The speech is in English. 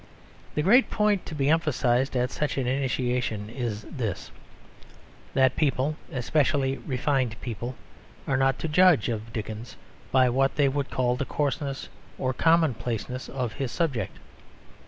The great point to be emphasised at such an initiation is this: that people, especially refined people, are not to judge of Dickens by what they would call the coarseness or commonplaceness of his subject.